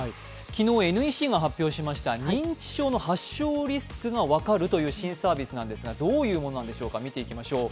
昨日、ＮＥＣが発表しました認知症の発症リスクが分かるという新サービスなんですが、どういうものなんでしょうか見ていきましょう。